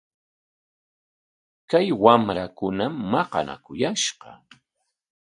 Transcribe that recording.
Kay wamrakunam maqanakuyashqa.